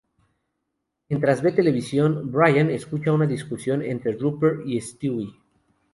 Mientras ve televisión, Brian escucha una discusión entre Rupert y Stewie.